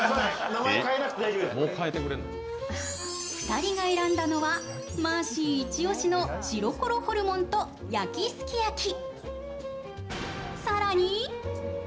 ２人が選んだのはマーシーイチ押しのシロコロホルモンと焼きすき焼き。